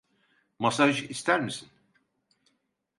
Masaj ister misin?